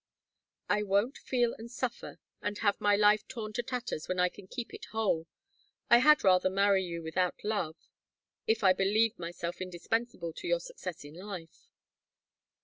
"I won't feel and suffer and have my life torn to tatters when I can keep it whole! I had rather marry you without love, if I believed myself indispensable to your success in life."